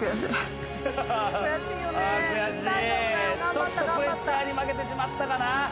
ちょっとプレッシャーに負けてしまったかな。